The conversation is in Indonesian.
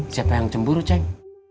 siapa yang cemburu ceng